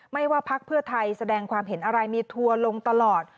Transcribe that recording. ว่าพักเพื่อไทยแสดงความเห็นอะไรมีทัวร์ลงตลอด